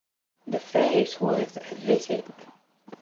The fair is worth a visit.